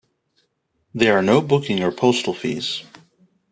There are no booking or postal fees.